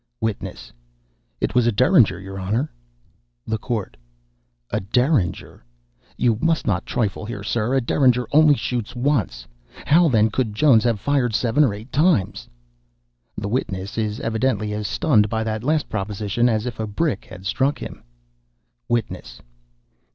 WITNESS. "It was a Durringer, your Honor." THE COURT. "A derringer! You must not trifle here, sir. A derringer only shoots once how then could Jones have fired seven or eight times?" (The witness is evidently as stunned by that last proposition as if a brick had struck him.) WITNESS.